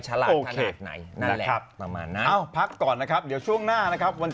ฉลาดขนาดไหนต่อมาพักก่อนนะครับเดี๋ยวช่วงหน้านะครับวัน